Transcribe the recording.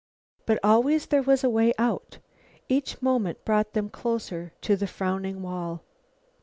But always there was a way out. Each moment brought them closer to the frowning wall.